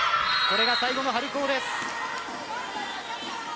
これが最後の春高です。